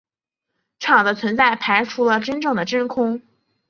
场的存在排除了真正的真空。